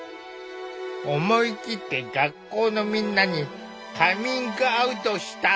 思いきって学校のみんなにカミングアウトした。